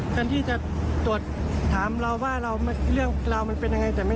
แทนที่จะตรวจถามเราว่าเรื่องราวมันเป็นยังไง